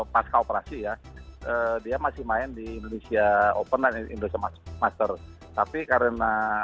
pasca operasi ya dia masih main di indonesia open dan indonesia master tapi karena